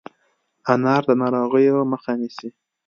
انار د ناروغیو مخه نیسي.